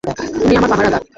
তুমি আমার পাহারাদার।